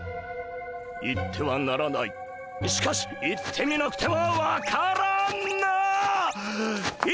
行ってはならないしかし行ってみなくては分からない！